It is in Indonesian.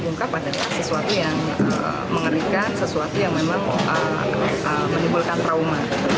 diungkap adalah sesuatu yang mengerikan sesuatu yang memang menimbulkan trauma